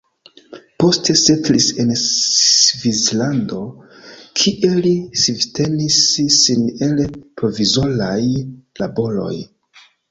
Poste setlis en Svislando, kie li vivtenis sin el provizoraj laboroj.